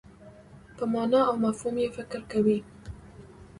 په مانا او مفهوم یې فکر کوي.